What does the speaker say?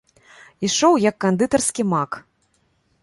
Ішоў як кандытарскі мак.